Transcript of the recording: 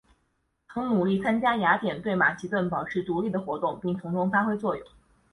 曾努力参加雅典对马其顿保持独立的活动并从中发挥作用。